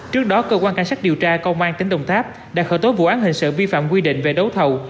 trước đó cơ quan cảnh sát điều tra công an tỉnh đồng tháp đã khởi tố vụ án hình sự vi phạm quy định về đấu thầu